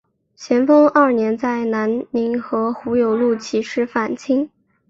咸丰二年在南宁和胡有禄起事反清。